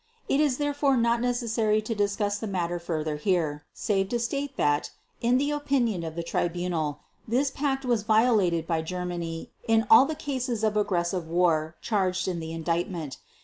It is therefore not necessary to discuss the matter further here, save to state that in the opinion of the Tribunal this Pact was violated by Germany in all the cases of aggressive war charged in the Indictment.